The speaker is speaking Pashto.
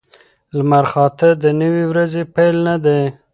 لمرخاته د نوې ورځې پیل نه دی.